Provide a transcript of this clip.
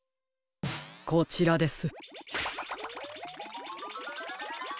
こちらです。